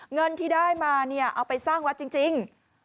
เงินที่ได้มาเนี่ยเอาไปสร้างวัดจริง